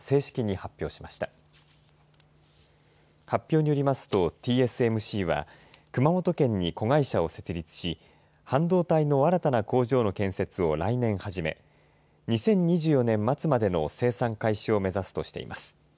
発表によりますとＴＳＭＣは熊本県に子会社を設立し半導体の新たな工場の建設を来年初め２０２４年末までの生産開始を目指すとしています。